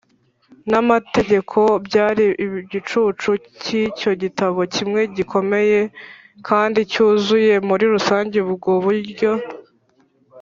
N amategeko byari igicucu cy icyo gitambo kimwe gikomeye kandi cyuzuye muri rusange ubwo buryo